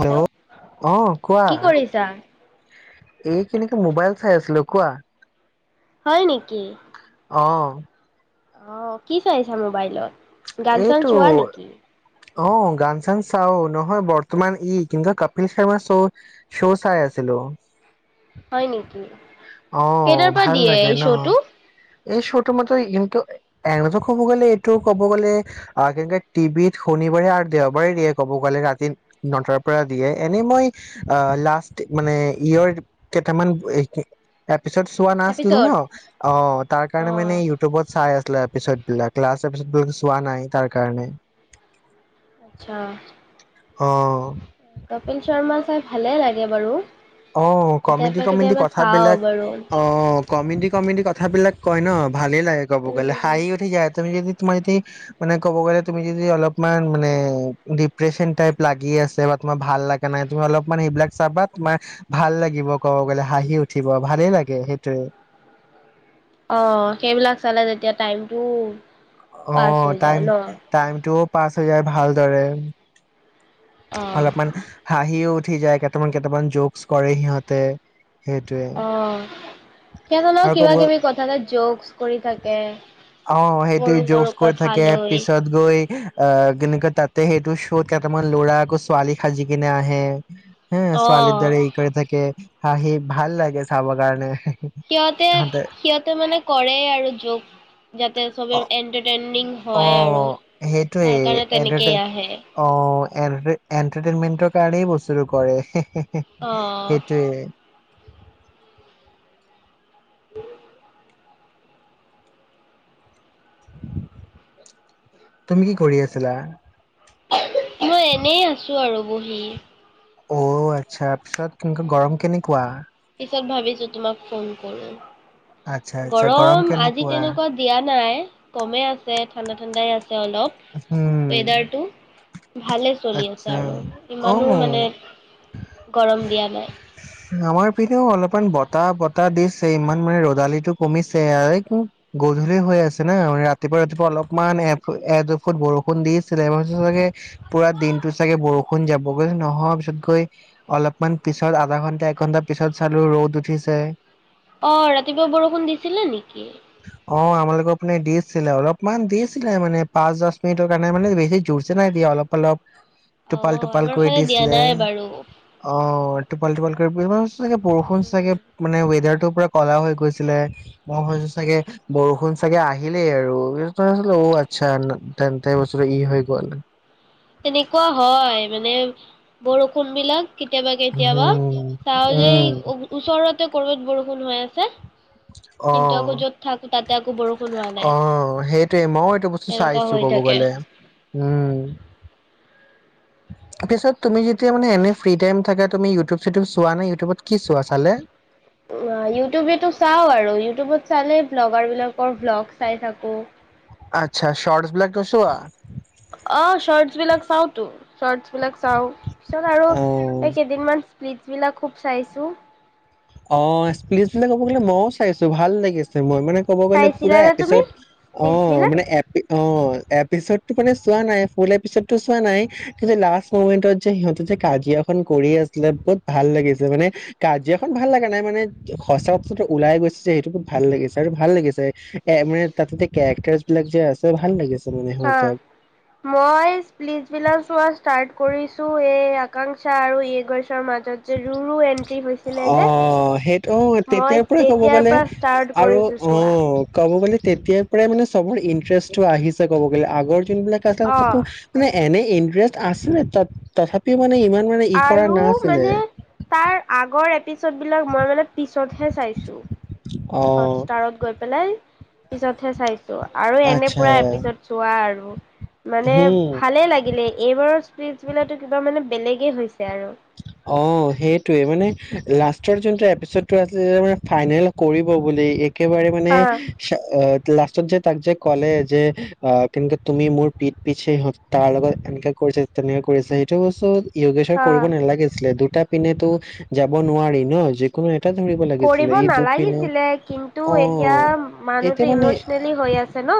Hello, আহ', কোৱা? কি কৰিছা? এই কেনকি মোবাইল চাই আছিলো কোৱা? হয় নেকি? অ', অ', কি', চাইছা মোবাইলত? গান চান এইটো চোৱা নেকি? অ', গান চান চাও নহয় বৰ্তমান ই কিন্তু কপিল শৰ্মা শ্ব' -শ্ব' চাই আছিলো। হয় নেকি? অ কেইটাৰ ', পৰা ভাল দিয়ে লাগে এই ন। শ্ব'টো? এই শ্ব'ৰ মতে কিন্তু এ ', নত কব গ'লে এইটো ক'ব গলে আহ কেনেে টিভিত শনিবাৰে আৰু দেওবাৰে দিয়ে কব গ'লে ৰাতি নটাৰ পৰা দিয়ে এনে মই আহ লাষ্ট মানে ইয়ৰ কেইটামান এহ', এ ', পিছত চোৱা নাছিলো এপিছ'ড? ন', অ', তাৰ অ কাৰণে মানে ইউটিউবত চাই আছ এপিচড বিলাক লাষ্ট এপিচড চোৱা নাই তাৰ কাৰণে। আচ্ছা। অঁ', কপিল শৰ্মা চাই ভালে লাগে বাৰু। অ ', কমেডি কেতিয়াবা -কমেডি কেতিয়াবা চাওঁ কথাবিলাক বাৰু। অ', কমেডি- কমেডি কথাবিলাক কয় ন ভালেই লাগে ক'ব গ'লে উম। হাঁহি উঠি যা তুমি যদি তোমাৰ যদি মানে ক'ব গ'লে তুমি যদি অলপমান মানে ডিপ্ৰেচন টাইপ লাগি আছে বা তোমাৰ ভাল লগা নাই তুমি অলপমান সেইবিলাক চাবা তোমাৰ ভাল লাগিব ক'ব গলে হাঁহি উঠিব ভালেই লাগে সেইটোৱে। অ', সেইবিলাক চালে যেতিয়া টাইমটো পাছ অ', হৈ যায় টাইম ন? -টাইমতটো পাছ হৈ যায় ভালদৰে। অ অলপমান হাঁহিও উঠি যায় কেইটামান কেইটামান জক কৰে সিহঁতে সেইটোৱে আহ সেইজনৰ আৰু কিবা ক'ব কিবি কথাতে ঝোকচ্ কৰি থাকে অ সেইটো সৰু সৰু ঝোকচ্ কৰি কথা থাকে লৈ। পিছত গৈ আহ কেনেকে তাত তে সেইটো শ্ব'ত কেইটামান ল'ৰা আকৌ ছোৱালী সাজি কিনে আহে হে ছোৱালীৰ অ দৰে এই কৰে থাকে হাহি সি ভাল লাগে চাব কাৰণে সিহঁতে সিহঁতে মানে কৰে আৰু ঝোক যাতে ছবে অ এণ্টাৰটেইন অ সেইটোৱে কাৰণে তেনেকেই ইন্টাৰটেন আহে অ এটাৰ এণ্টাৰটেইনমেণ্টৰ কাৰণেই বস্তুটো কৰে অ সেইটোৱেই তুমি কি কৰি আছিলা? মই এনেই আছো আৰু বহি অ আচ্ছা পিছ কেনেকা উম গৰম কেনেকুৱা। পিছত ভাবিছো তোমাক ফোন কৰো আচ্ছা আচ্ছা গৰম আজি কেনেকুৱা তেনেকুৱা দিয়া নাই কমে আছে ঠাণ্ডা ঠাণ্ডাই আছে অলপ উম ৱেডাৰ ভালে চলি আচ্ছা আৰু ইমানো অ মানে গৰম আমাৰ দিয়ানাই পিনেও অলপমান বতাহ বতাহ দিছে ইমান মানে ৰদালি টো কমিছে আৰু গধূলি হৈ আছে না ৰাতিপুৱা ৰাতিপুৱা অলপ বহুত বৰষুণ দিছিলোৰ চাগে পুৰা দিনটো চাগে বৰষুণ যাব নহয় পিছত গৈ অলপমান পিছত আধা ঘন্টা এক ঘন্টা পিছত চালো ৰ'দ উঠিছে অ ৰাতিপুৱা বৰষুণ দিছিলে নেকি? তোমোকক দিছিলে অলপমান দিছিলে মান দিছিলে পাছ দহ মিনিটত সেইটো কাৰণে মানে বেছি জুৰিছে নাই অলপ অলপ অ টোপাল টোপাল আমাৰ কৈ ফালে দিয়া দিছিললে নাই বাৰু অ টোপাল টোপাল কৈ বচ চাগে বৰষুণ চাগে উম মানে ৱেডাৰ পুৰা ক'লা হৈ গৈছিলে মই হৈছ চাগে বৰষুণ চাগে আহিলেই আৰু অ আচ্ছা তেন তে বছৰে ই হৈ গ'ল তেনেকুৱা হয় মানে বৰষুণ বিলাক কেতিয়াবা কেতিয়াবা উম চাওঁ যে উম ওচৰতে কৰবাত বৰষুণ হৈ আছে কিন্তু আকৌ য'ত থাকো তাত আহ সেইটোৱে মই এইটো বস্তু এনেকুৱা চাইছো হৈ ক'ব থাকে গলে উম পিছত তুমি যেতিয়া মানে এনে ফিৰি টাইম থাকে তুমি ইউটিউব চিউটিউব চোৱা নাই ইউটিউবত কি চোৱা চালে ইউটিউবেতো চাও আৰু ইউটিউবত চালে ব্লগাৰ বিলাকৰ ভ্লগ চাই থাকো আচ্ছা শৰ্টছ বিলাকো চোৱা অ চৰ্টচ বিলাক চাওতো চৰ্টছ বিলাক চাও পিছত আৰু অ এই কেইদিনমান স্পি বিলাকো খুব চাইছোঁ অ প্লিজ বুলি ক'ব গলে ময়ও চাইছো ভাল লাগিছে মই মানে ক'ব গলে পুৰা চাইছিলানে তুমি এপিছত অ স্প্লিটছ বিলাক মানে এ অ এপিসদ টো মানে চোৱা নাই ফুল এপিচটো চোৱা নাই কি লাষ্ট মমেন্টত যে সিহঁতে যে কাজিয়াখন কৰি আছিলে বহুত ভাল লাগিছে মানে কাজিয়া খন ভাল লগা নাই মানে সঁচা কথা ওলাই গৈছে যে সেইটো বত ভাল লাগিছে আৰু ভাল লাগিছে এ মানে তাতে যে কেৰেক্টাৰ বিলাক যে আছে ভাল লাগিছে মানে হা সিহঁতক। মই পলিচ বিলা চোৱা ষ্টাৰ্ট কৰিছো এই একাংশা আৰু এইগছৰ মাজত যে ৰুৰু এড অ সেইটো মই তেতিয়াৰ পৰাই ক'ব তেতিয়াৰ গ'লে পৰা ষ্টাৰ্ট আৰু কৰিছোঁ অ চোৱা। ক'ব গ'লে তেতিয়াৰ পৰাই মানে চবৰ ইণ্টাৰেষ্ট টো আহিছে ক'ব গ'লে আগৰ যোনবিলাক আ অ' তাতো মানে এনেই ইনটেৰেজ আছিলে তাত তথাপিও মানে ই মানে কৰা আৰু নাছিলে মানে তাৰ আগৰ এ পিছতবিলাক মই মানে পিছতহে চাইছোঁ অ হটষ্টাৰত গৈ পেলাই পিছতহে চাইছো আৰু এনে আচ্ছা পুৰা এপিছত চোৱা আৰু মানে হম ভালে লাগিলে এইবাৰৰ স্পিচ বিলো কিবা মানে বেলেগে হৈছে আৰু অ সেইটোৱে মানে লাষ্টৰ যোনটো এপিচডটো আছিল মানে ফাইনেল কৰিব বুলি একেবাৰে মানে হা চ লাষ্টত যে তাক যে ক'লে যে অ কেনেকে তুমি মোৰ পিঠ পিছে সেনেকোৱা তাৰ লগত এনেকাে কৰিছা তেনেকাে কৰিছা সেইটো বস্ত কৰিব হা নালাগিছিলে এটা পিন্ধো যাব নোৱাৰি ন যিকোনো এটা ধৰিব লাগিছিলে কৰিব ই দুপিনে নালাগিছিলে কিন্তু এতিয়া অ', এতিয়া মানুহটো মানে ইমচনেলি হৈ আছে ন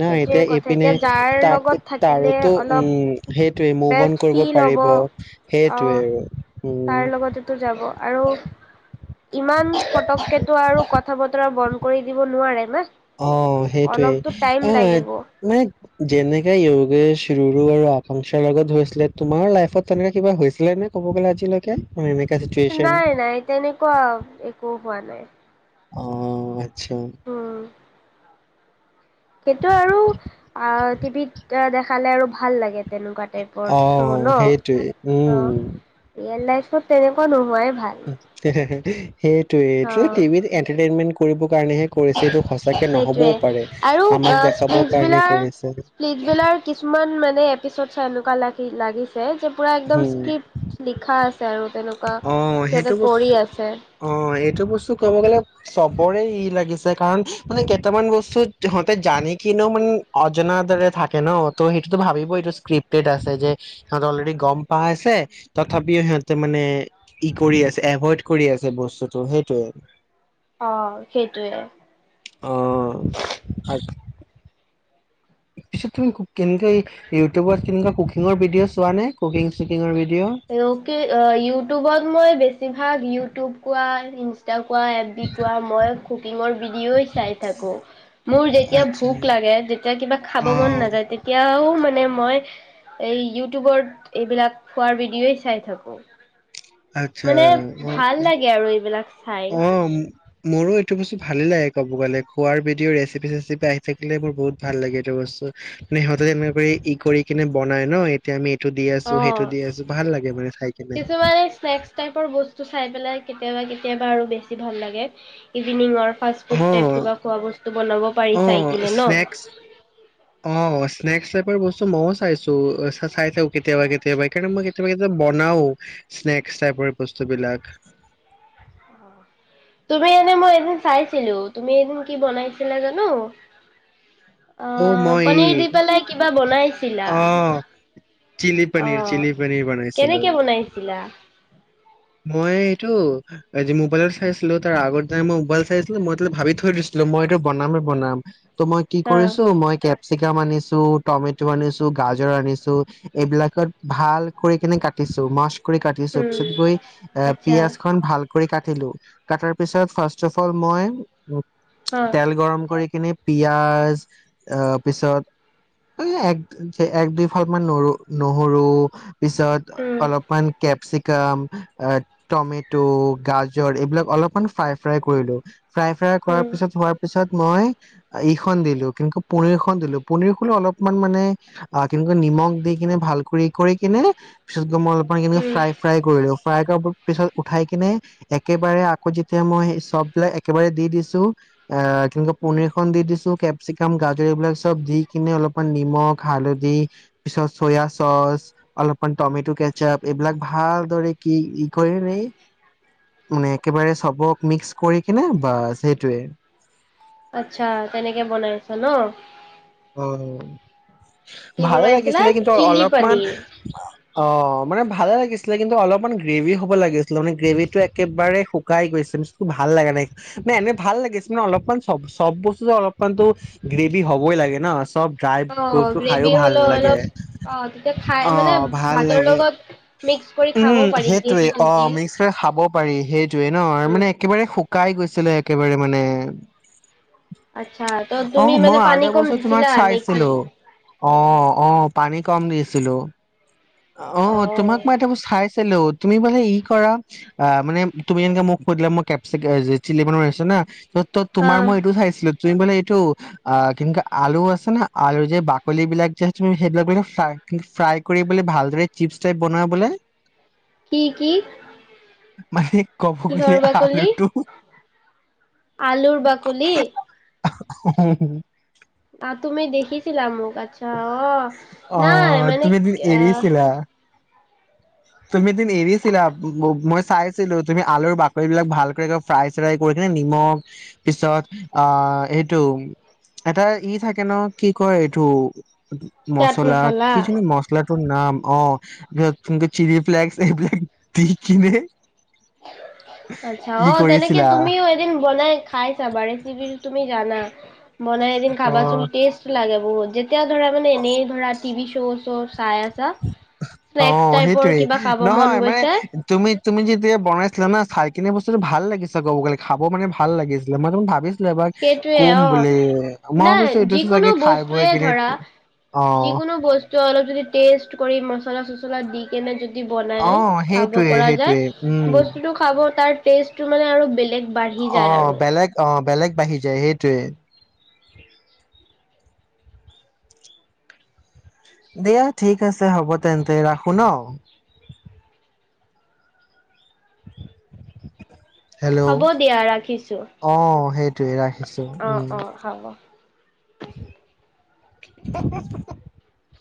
ন এতিয়া সেইটোৱে কথা এইপিনে এতিয়া যাৰ তাক লগত থাকিলে তাৰোতো অলপ উম সেইটোৱে মভ অন বেষ্ট ফিল হ'ব। কৰিব সেইটোৱে অ' আৰু উম। তাৰ লগতেতো যাব আৰু ইমান পটকেতটো আৰু কথা কথা বতৰা বন্ধ কৰি দিব নোৱাৰে মই অ' সেইটোৱেই অ' লাগিব। মানে। যেনেকে যয়োগেশ ৰুৰু আৰু আকাংক্ষাৰ লগত হৈছিলে তোমাৰ লাইফত তেনেকে কিবা হৈছিলে নে ক'ব গ'লে আজিলৈকে মানে এনে নাই -নাই তেনেকুৱা একো হোৱা নাই। অ' অসম [unintelligible] উম। সেইটো আৰু অ টিভিত দেখালে আৰু ভাল লাগে তেনেকুৱা। টাইপৰ অ শ্ব' ন। 'সেইটোৱে উম। পিছত তেনেকুৱা নোহোৱাই ভাল। অ ' হে- হে -হে [inaudible] সেইটোৱেই এই অ', টিভিত এন্টাৰটেইনমেন্ট কৰিবৰ কাৰণেহে কৰিছে ।এইটো সঁচাকে নহবও সেইটোৱে পাৰে আৰু আমাক দেখাবৰ কাৰণে স্পিচবিলাক কৰিছে। স্পিচবিলাক কিছুমান মানে এপিচড চাই এনেকুৱা লাগি লাগিছিল। যে পুৰা একদম হম, স্ক্ৰিপ্ট লিখা আছে আৰু। তেনেকুৱা অ', সিহঁতে সেইটো বস্তু কৰি আছে। অ এইটো বস্তু ক'ব গ'লে চবৰে ই লাগিছে কাৰণ মানে কেইটামান বস্তু সিহঁতে জানি কিনেও মানে নজনাৰ দৰে থাকে ন 'ত সেইটোতো ভাবিব এইটো স্ক্ৰিপটেড আছে যে সিহতে অলৰেডি গম পাই আছে তথাপিও সিহঁতে মানে ই কৰি আছে এভইড কৰি আছে বস্তুটো সেইটোৱে। অ' সেইটোৱে। অ পিছ তুমি কোক কিনকে ইউটউবৰত কেনেকা কুক কুকিং ভিডি'অ চোৱা নে? কোকিং চুকিঙৰ ভিড ' ইউটিউবত মই বেছি ভাগ ইউটিউব কোৱা ইষ্টা কোৱা কোৱা এ -বি কোৱা মই কুকিঙৰ ভিডিঅ'ই চাই থাকো মোৰ যেতিয়া আচ্ছা ভোক লাগে যেতিয়া কিবা খাব অ মন নাযায় তেতিয়াও মানে মই এই ইউটিউবৰ এইবিলাক। খোৱাৰ ভিডিঅ'ই চাই থাকোঁ। মানে আচ্ছা ভাল লাগে আৰু এইবিলাক । অ' মোৰো এইটো বস্তু ভালে লাগে ক'ব গ'লে খোৱাৰ ভডিঅ ৰেচিপি চেচিপি আহি থাকিলে মোৰ বহুত ভাল লাগে এইটো বস্তু ।সদায় তেনেকে ই কৰি কিনে বনাই ন এতিয়া আমি। এইটো দি আছো সেইটো অ' দি আছো ভাল লাগে মানে চাই কিনে কিছুমানে স্নেক্স টাইপৰ বস্তু চাই পেলাই। কেতিয়াবা, কেতিয়াবা আৰু বেছি ভাল লাগে evening work. Fast food type অ', কিবা খোৱা বস্তু বনাব পাৰি চাই অ', কিনে ন? স্নেক্স অ', স্নেক্স টাইপৰ বস্তু মইও চাইছো। চাই থাকে কেতিয়াবা অ'। কেতিয়াবা কাৰণ মই বনাও স্নেক্স টাইপৰ বস্তুবিলাক। তুমি এনে মই এদিন চাইছিলো তুমি এদিন কি বনাইছিলা জানো। অ', আহ মই পনিৰ এই দি পেলাই কিবা বনাইছিলা, অ', চিলি পনীৰ আহ চিলি পনীৰ বনাইছিলো কেনেকে বনাইছিলা? মই এইটো আজি মোবাইলত চাইছিলো তাৰ আগত মই মোবাইল চাই আছিলো মই ভাবি থৈ দিছিলো মই এইটো বনামে বনাম। ত' মই কি অ কৰিছো মই কেপ চিগাম আনিছো, টমেটো আনিছো, গাজৰ আনিছো এইবিলাকত ভাল কৰি কিনে কাটিছো মাছ। কৰি কাটিছো উম পাছত গৈ এ আচ্ছা পিয়াজ খন ভাল। কাটিলো, কাতাৰ পিছত ফাছ অফ অল মই অ তেল গৰম কৰি কিনি। পিয়াজ অ পিছত এক এক দুই ফাল মান নহৰু। পিছত উম অলপমান কেপচিক কাম এ টমেটো, গাজৰ এইবিলাক অলপমান ফ্ৰাই ফ্ৰাই কৰিলো। ফ্ৰাই -ফ্ৰাই কৰাৰ উম পিছত হোৱাৰ পিছত মই ইখন দিলো কেনেক পনিৰ খন দিলো পনিৰ খোন অলপমান মানে অ কেনেকৈ নিমখ দি কিনে ভাল কৰি কৰি কিনে পিছত মই আপ কেনেকে উম ফ্ৰাই ফ্ৰাই কৰিলো। ফ্ৰাই কৰিব পিছত উঠাই কিনে একেবাৰে আকৌ যেতিয়া মই চববিলাক একেবাৰে দি দিছো। অ কেনেকে উম পনিৰ খন দি দিছো কেপচিকাম, গাজৰ এইবিলাক। দি কিনে অলপমান নিমখ হালধি পিছত চয়া চচ অলপমান টমেট কেচপ এইবিলাক ভালদৰে কি ই কৰি ৰে মানে একেবাৰে চবক মিক্স কৰি কিনে বাচ সেইটোৱে। আচ্ছা, তেনেকে বনাই আছ ন। অ। কি ভালে বনাইছিলা লাগিছিলে কিন্তু চিলি অলপমান। পনীৰ অ মানে ভালে লাগিছিলে কিন্তু অলপমান গ্ৰেভি হ'ব লাগিছিলে মানে গ্ৰেভি টো একেবাৰে শুকাই গৈছে ভাল লাগা নাই মানে এনে ভাল লাগিছিল মানে অলপমান চব চব বস্তুত অলপমানতো গ্ৰেভি হবই লাগে। না চব। ড্ৰাই অ বস্তু খাইও গ্ৰেভি ভাল হ'লেও নালাগে। অলপ অ তেতিয়া খাই অ মানে ভাল ভাতৰ লাগে লগত। মিক্স কৰি খাব উম পাৰি সেইটোৱে গ্ৰেভিটো অ দি মিক্স কৰি খাব পাৰি সেইটোৱে ন উম মানে একেবাৰে শুকাই গৈছে। আছিলে একেবাৰে মানে। আচ্ছা, ত' অ তুমি মানে মই আৰু পানী এটা কম বস্তু তোমাক দিছিলা নেকি? চাইছিলো অ আহ পানী কম দিছিলো। অ তোমাক মই এটা বস্তু চাইছো হেলৌ তুমি বোলে ই কৰা অ মানে তুমি এনেকে মোক সুধিলা মই কেপ কেছ চিলি বনোছো না ত হা তোমাৰ মই এইটো চাইছিলো তুমি বুলে টো অ কিন্তু আলু আছে ন আলুৰ যে বাকলি বিলাক যে তুমি সেইবিলাক মানে ফ্ৰাই কৰি বোলে ভাল দৰে চিপছ ষ্টাইপ বনোৱা বোলে কি কি মানে ক'ব গ'লে কিহৰ বাকলি আলুটো আলুৰ বাকলি হম হ আহ তুমি দেখিছিলা মোক আছা অ তুমি এদিন আহ এৰিছিলা তুমি এদিন এৰিছিলা মই চাইছিলো তুমি আলুৰ বাকলি বিলাক ভালকৈ ফ্ৰাই চ্ৰাই কৰি কিনে নিমখ পিছত আহ এইটো এটা ই থাকে ন কি কয় এইটো চাট মছলা মচালা। কিজানি মছলা তোৰ নাম অ তুমি চিলি প্লেক এইবিলাক দি কিনে আচছা ই অ তেনেকে কৰিছিলা তুমিও এদিন বনাই খাই চাবা ৰেচিপি তুমি জানা বনাই এদিন অ' খাবাচোন টেষ্ট লাগে অ যে এতিয়া ধৰা মে এনেই ধৰা টিভি চ চ অ সেইটোয়েই কিবা খাব মন নহয় মানে গৈছে তুমি তুমি যি যে বনাইছিলে ন চাইখিনি বস্তুটো ভাল লাগিছে ক'ব গ'লে খাব মানে ভাল লাগিছিলে মই ত ভাবিছো সেইটোৱে অ মই নাই ভাবিছো এইটো যিকোনো চাগে খাই বৈ বস্তুয়ে কিনে ধৰা অ যিকোনো বস্তু অলপ যদি টেষ্ট কৰি মছলা চচলা দি কেনে যদি যদি অ বনাই খাব সেইটোৱে পৰা যায় সেইটোৱে উম বস্তুটো খাব তাৰ টেষ্টটো মানে আৰু বেলেগ বাঢ়ি অ যায় আৰু বেলেগ অ বেলেগ বাঢ়ি যায় সেইটোৱে দিয়া ঠিক আছে হ'ব তেন্তে ৰাখো ন? [inaudible] হ'ব দিয়া ৰাখিছো। তেৰা [unintelligible] অ অ হব [inaudible]